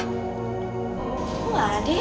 kok gak ada ya